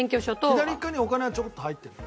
左側にはお金はちょこっと入ってるの？